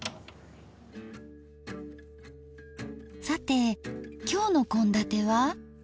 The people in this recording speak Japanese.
さて今日の献立は？